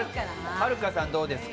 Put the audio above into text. はるかさん、どうですか？